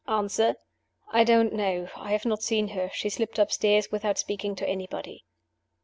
Answer: 'I don t know; I have not seen her; she slipped upstairs, without speaking to anybody.